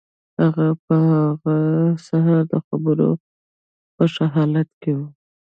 هغه په هغه سهار د خبرو په ښه حالت کې و